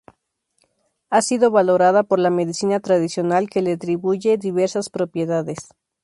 Ha sido valorada por la medicina tradicional, que le atribuye diversas propiedades.